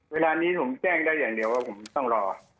เวลานี้ผมแจ้งได้อย่างเดียวว่าผมต้องรอ